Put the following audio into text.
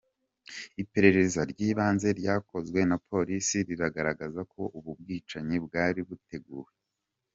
Iperereza ry’ibanze ryakozwe na polisi riragaragaza ko ubu bwicanyi bwari buteguwe.